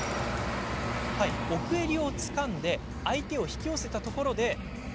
奥襟をつかんで相手を引き寄せたところで。